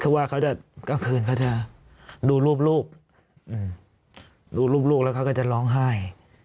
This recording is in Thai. คือว่าเขาจะกลางคืนเขาจะดูรูปลูกดูรูปลูกแล้วเขาก็จะร้องไห้